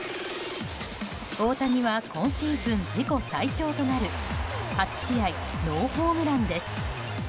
大谷は今シーズン自己最長となる８試合ノーホームランです。